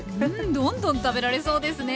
どんどん食べられそうですね。